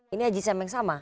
ini haji sam yang sama